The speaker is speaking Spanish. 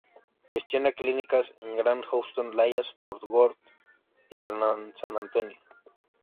Gestiona clínicas en Gran Houston, Dallas-Fort Worth y Gran San Antonio.